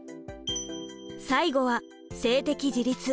最後は性的自立。